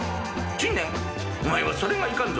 珍念お前はそれがいかんぞ。